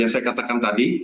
yang saya katakan tadi